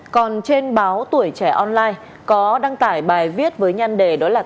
còn trên báo tuổi trẻ online có đăng tải bài viết với nhăn đề đó là